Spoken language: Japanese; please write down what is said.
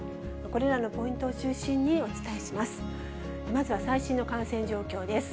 これらのポイントを中心にお伝えします。